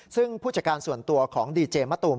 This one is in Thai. ซึ่งผู้จัดการส่วนตัวของดีเจมะตูม